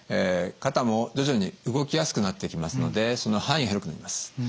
肩も徐々に動きやすくなってきますのでその範囲が広くなります。